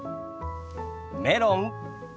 メロン。